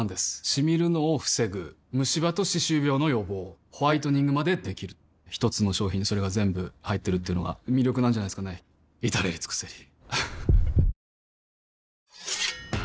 シミるのを防ぐムシ歯と歯周病の予防ホワイトニングまで出来る一つの商品にそれが全部入ってるっていうのが魅力なんじゃないですかね至れり尽くせり